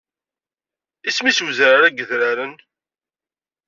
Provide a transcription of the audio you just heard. Isem-nnes wezrar-a n yedraren?